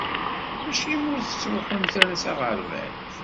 Acimi ur tettruḥumt ara s aɣerbaz?